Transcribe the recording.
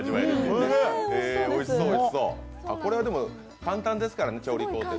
これは簡単ですからね調理工程。